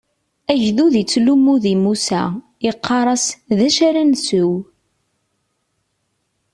Agdud ittlummu di Musa, iqqar-as: D acu ara nsew?